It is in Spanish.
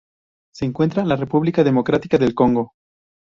Se encuentra la República Democrática del Congo.